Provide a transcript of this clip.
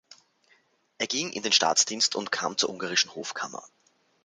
Er ging in den Staatsdienst und kam zur ungarischen Hofkammer.